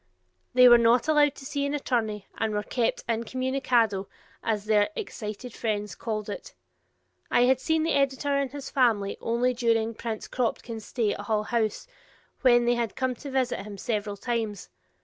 They were not allowed to see an attorney and were kept "in communicado" as their excited friends called it. I had seen the editor and his family only during Prince Kropotkin's stay at Hull House, when they had come to visit him several times.